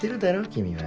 君は。